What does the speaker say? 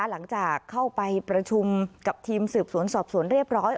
หลังจากเข้าไปประชุมกับทีมสืบสวนสอบสวนเรียบร้อย